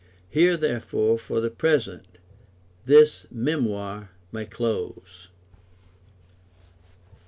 Here, therefore, for the present, this memoir may close.